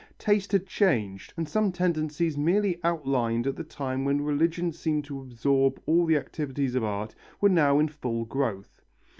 Taste had changed, and some tendencies merely outlined at the time when religion seemed to absorb all the activities of art, were now in full growth.